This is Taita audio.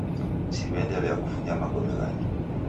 Siw'eendelia kufunya magome ghangi